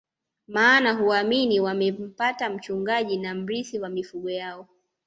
Maana huamini wamempata mchungaji na mrithi wa mifugo yao